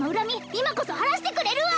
今こそ晴らしてくれるわ！